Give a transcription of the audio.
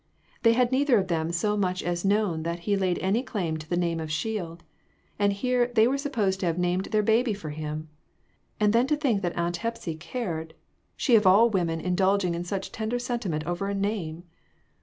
They had neither of them so much as \ known that he laid any claim to the name of' Shield ; and here they were supposed to have named their baby for him ! And then to think that Aunt Hepsy cared ! She of all women indulging in such tender sentiment over a name